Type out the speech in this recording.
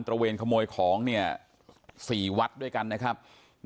ตระเวณขโมยของ๔วัดด้วยกันนะครับ